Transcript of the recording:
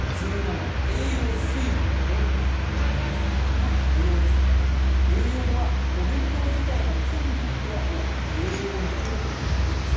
まず栄養は、お弁当自体が菌にとっては栄養の宝庫になっています。